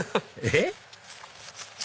えっ？